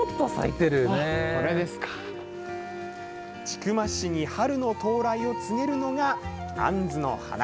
千曲市に春の到来を告げるあんずの花。